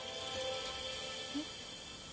えっ？